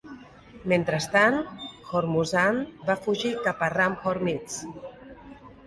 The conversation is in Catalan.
Mentrestant, Hormuzan va fugir cap a Ram-Hormizd.